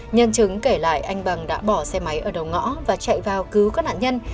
nhân chứng kể lại anh bằng đã bỏ xe máy ở đầu ngõ và chạy vào cứu các nạn nhân